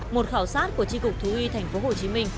một khảo sát của tri cục thú y tp hcm